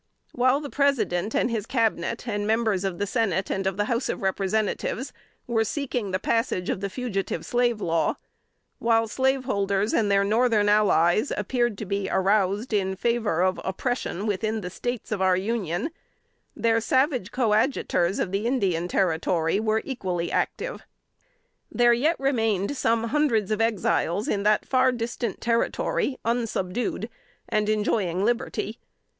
While the President and his Cabinet, and members of the Senate and of the House of Representatives, were seeking the passage of the Fugitive Slave Law; while slaveholders and their northern allies appeared to be aroused in favor of oppression within the States of our Union, their savage coadjutors of the Indian territory were equally active. There yet remained some hundreds of Exiles in that far distant territory unsubdued, and enjoying liberty.